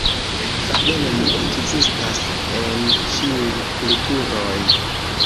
Fabeloj ekzistas en ĉiuj kulturoj.